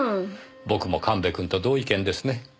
僕も神戸くんと同意見ですね。